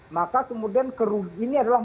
maka kemudian ini adalah